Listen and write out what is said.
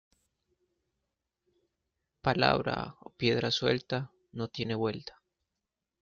Palabra o piedra suelta, no tiene vuelta.